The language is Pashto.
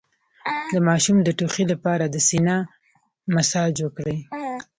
د ماشوم د ټوخي لپاره د سینه مساج وکړئ